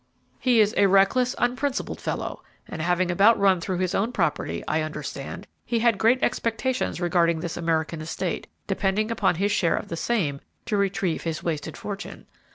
He is a reckless, unprincipled fellow, and having about run through his own property, I understand, he has had great expectations regarding this American estate, depending upon his share of the same to retrieve his wasted fortune.